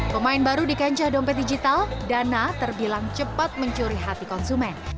pemain baru di kancah dompet digital dana terbilang cepat mencuri hati konsumen